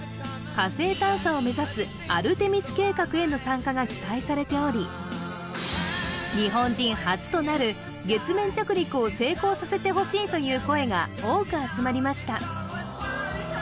火星探査を目指すアルテミス計画への参加が期待されており日本人初となる月面着陸を成功させてほしいという声が多く集まりました